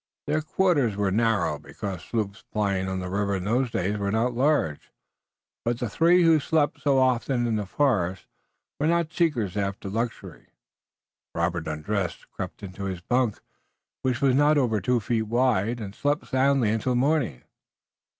Their quarters were narrow, because sloops plying on the river in those days were not large, but the three who slept so often in the forest were not seekers after luxury. Robert undressed, crept into his bunk, which was not over two feet wide, and slept soundly until morning.